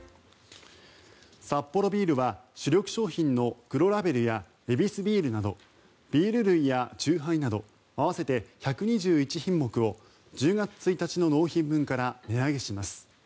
サッポロビールは主力商品の黒ラベルやヱビスビールなどビール類や酎ハイなど合わせて１２１品目を１０月１日の納品分から値上げします。